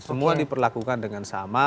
semua diperlakukan dengan sama